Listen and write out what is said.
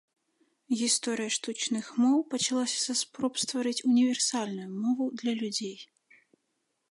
Гісторыя штучных моў пачалася са спроб стварыць універсальную мову для людзей.